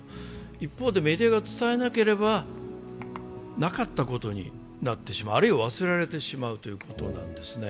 一方でメディアが伝えなければなかったことになってしまう、あるいは忘れられてしまうということなんですね。